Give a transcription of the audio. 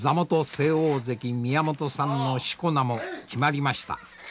正大関宮本さんの四股名も決まりました。